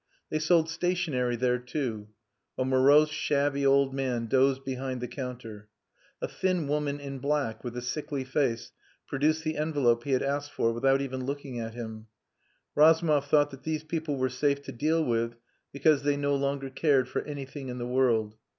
They sold stationery there, too. A morose, shabby old man dozed behind the counter. A thin woman in black, with a sickly face, produced the envelope he had asked for without even looking at him. Razumov thought that these people were safe to deal with because they no longer cared for anything in the world.